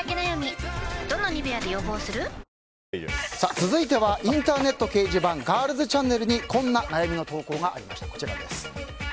続いてはインターネット掲示板ガールズちゃんねるにこんな悩みの投稿がありました。